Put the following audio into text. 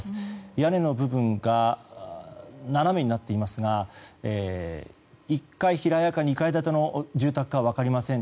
屋根の部分が斜めになっていますが１階平屋か２階建ての住宅かは分かりません。